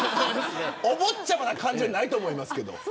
お坊ちゃまな感じはないと思います。